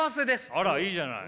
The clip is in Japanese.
あらいいじゃない。